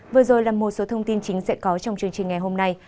vừa rồi là một số thông tin chính sẽ có trong chương trình ngày hôm nay